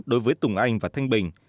đối với tùng anh và thanh bình